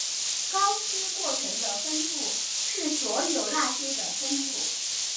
高斯过程的分布是所有那些的分布。